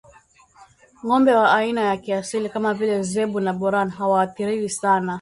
ng'ombe wa aina za kiasili kama vile Zebu na Boran hawaathiriwi sana